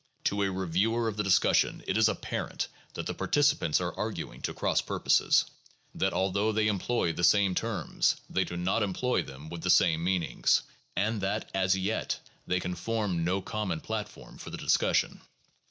To a reviewer of the discussion it is apparent that the participants are arguing to cross purposes, that although they employ the same terms, they do not employ them with the same meanings, and that, as yet, they can form no common platform for the discussion.